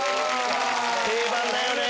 定番だよね。